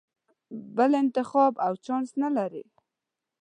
بل انتخاب او چانس نه لرې.